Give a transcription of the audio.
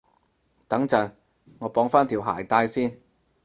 等陣，我綁返條鞋帶先